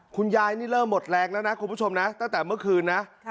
คุณยายนี่เริ่มหมดแรงแล้วนะคุณผู้ชมนะตั้งแต่เมื่อคืนนะ